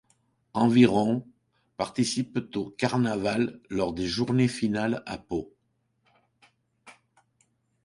Environ participent au carnaval lors des journées finales à Pau.